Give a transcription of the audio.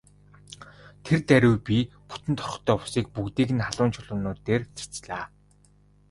Тэр даруй би бүтэн торхтой усыг бүгдийг нь халуун чулуунууд дээр цацлаа.